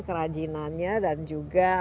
kerajinannya dan juga